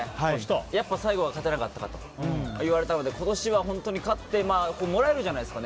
やっぱり最後は勝てなかったと言われたので今年は勝って年末にもらえるじゃないですか。